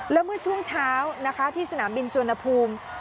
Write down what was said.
แล้วเมื่อช่วงเช้านะคะที่สนามบินสุวรรณภูมิ